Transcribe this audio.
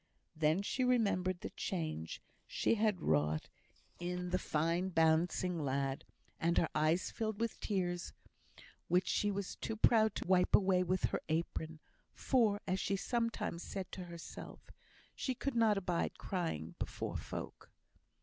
Then she remembered the change she had wrought in the "fine bouncing lad," and her eyes filled with tears, which she was too proud to wipe away with her apron; for, as she sometimes said to herself, "she could not abide crying before folk."